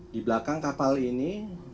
di belakang kapal ini